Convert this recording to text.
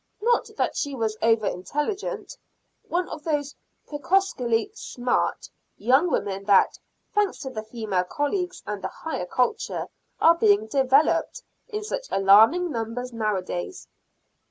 Not that she was over intelligent one of those precociously "smart" young women that, thanks to the female colleges and the "higher culture" are being "developed" in such alarming numbers nowadays.